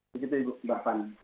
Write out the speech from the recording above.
begitu mbak fani